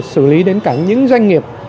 xử lý đến cả những doanh nghiệp